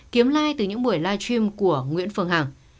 kiếm like từ những buổi live stream của nguyễn phương hằng